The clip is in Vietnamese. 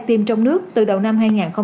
tiêm trong nước từ đầu năm hai nghìn hai mươi